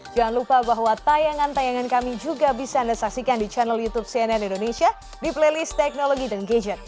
jangan lupa bahwa tayangan tayangan kami juga bisa anda saksikan di channel youtube cnn indonesia di playlist teknologi dan gadget